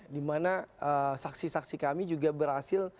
dimana saksi saksi kami juga berhasil